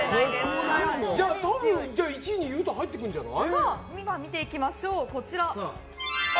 多分１位に裕太、入ってくるんじゃない？